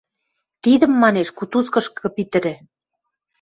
– Тидӹм, – манеш, – кутузкышкы питӹрӹ!